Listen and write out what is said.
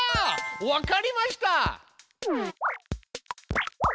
わかりました。